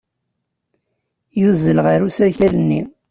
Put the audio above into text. Yuzzel ɣer usakal-nni.